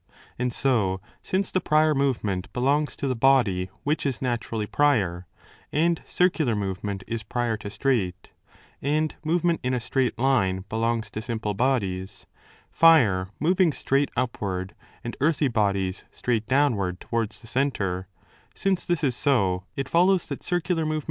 And so, since the prior movement 25 belongs to the body which is naturally prior, and circular movement is prior to straight, and movement in a straight line belongs to simple bodies—fire moving straight upward and earthy bodies straight downward towards the centre— since this is so, it follows that circular movement also must 1 Reading ἑαυτοῦ with all MSS.